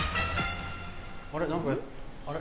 あれ？